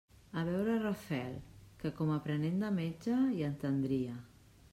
A veure Rafael, que, com a aprenent de metge, hi entendria.